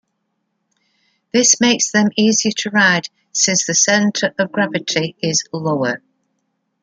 This makes them easier to ride since the center of gravity is lower.